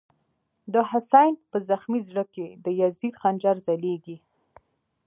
دحسین” په زخمی زړه کی، دیزید خنجر ځلیږی”